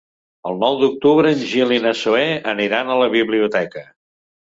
El nou d'octubre en Gil i na Zoè aniran a la biblioteca.